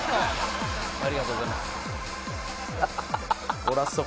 ありがとうございます。